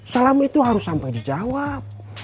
salam itu harus sampai dijawab